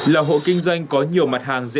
lào hộ kinh doanh có nhiều mặt hàng